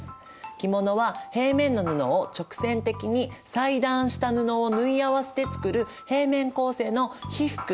着物は平面の布を直線的に裁断した布を縫い合わせて作る平面構成の被服なんだよね。